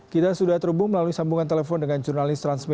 kita sudah terhubung melalui sambungan telepon dengan jurnalis transmedia